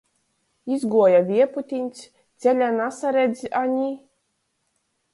Izguoja viejputnis, ceļa nasaredz a ni.